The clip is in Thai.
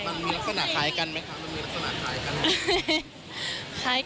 มันมีลักษณะคล้ายกันไหมคะมันมีลักษณะคล้ายกัน